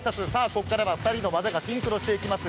ここからは２人の技がシンクロしていきます。